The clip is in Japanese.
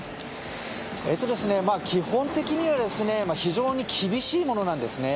基本的には非常に厳しいものなんですね。